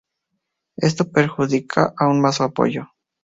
Esto perjudica aún más su apoyo.